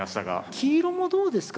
黄色もどうですか？